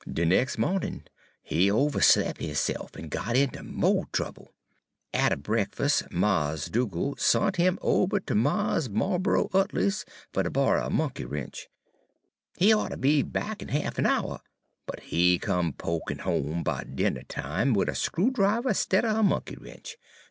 "De nex' mawnin' he overslep' hisse'f, en got inter mo' trouble. Atter breakfus', Mars' Dugal' sont 'im ober ter Mars' Marrabo Utley's fer ter borry a monkey wrench. He oughter be'n back in ha'f a' hour, but he come pokin' home 'bout dinner time wid a screw driver stidder a monkey wrench.